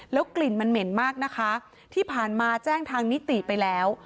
กลิ่นมันเหม็นมากนะคะที่ผ่านมาแจ้งทางนิติไปแล้ว